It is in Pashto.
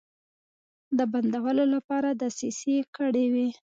د بندولو لپاره دسیسې کړې وې.